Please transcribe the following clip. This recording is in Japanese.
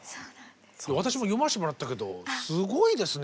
私も読ませてもらったけどすごいですね